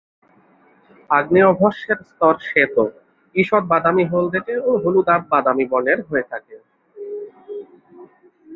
আগ্নেয়ভস্মের স্তর শ্বেত, ঈষৎ বাদামি হলদেটে ও হলুদাভ বাদামি বর্ণের হয়ে থাকে।